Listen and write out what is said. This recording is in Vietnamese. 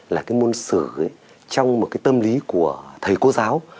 là cái môn sử trong một cái tâm lý của thầy cô giáo